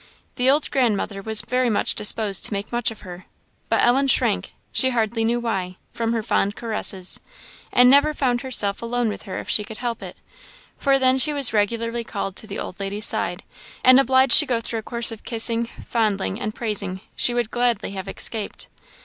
The old grandmother was very much disposed to make much of her; but Ellen shrank, she hardly knew why, from her fond caresses, and never found herself alone with her if she could help it; for then she was regularly called to the old lady's side, and obliged to go through a course of kissing, fondling, and praising she would gladly have escaped.